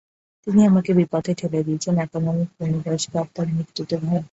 তিনি আমাকে বিপথে ঠেলে দিয়েছেন, এখন আমি পূর্ণবয়স্ক আর তার মৃত্যুতে ভারাক্রান্ত।